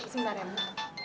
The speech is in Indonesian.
sebentar ya ibu